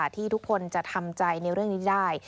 ที่ทุกคนจะทำใจในเรื่องนี้ได้